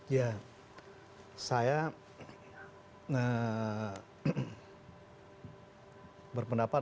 ya saya berpendapat